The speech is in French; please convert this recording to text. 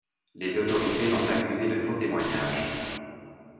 Les autorités l'ont accusé de faux témoignage.